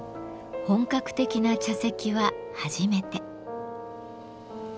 本格的な茶席は初めて。